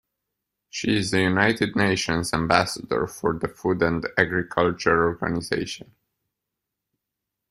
She is a United Nations Ambassador for the Food and Agriculture Organization.